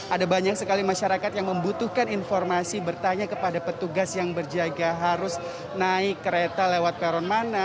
ada banyak sekali masyarakat yang membutuhkan informasi bertanya kepada petugas yang berjaga harus naik kereta lewat peron mana